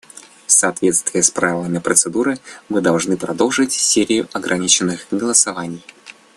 В соответствии с правилами процедуры мы должны продолжить серию ограниченных голосований.